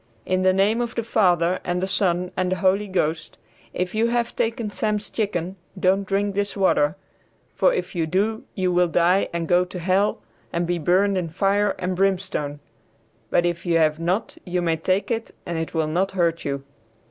"In the name of the Father and the Son and the Holy Ghost, if you have taken Sam's chicken don't drink this water, for if you do you will die and go to hell and be burned in fire and brimstone, but if you have not you may take it and it will not hurt you."